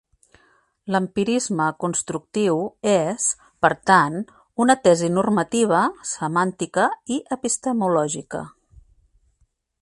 L'empirisme constructiu és, per tant, una tesi normativa, semàntica i epistemològica.